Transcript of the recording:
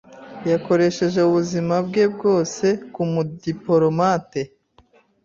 Yakoresheje ubuzima bwe bwose nkumudipolomate.